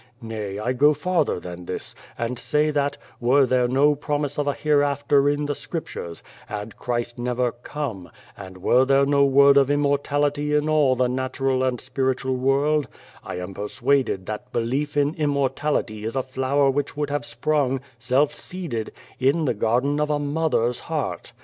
Nay, I go farther than this, and say that, were there no promise of a hereafter in the Scriptures, had Christ never come, and were there no word of immortality in all the natural and spiritual world I am persuaded that belief in immor tality is a flower which would have sprung, self seeded, in the garden of a mother's heart.